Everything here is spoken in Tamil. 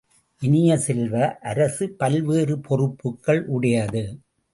இனிய செல்வ, அரசு பல்வேறு பொறுப்புக்கள் உடையது.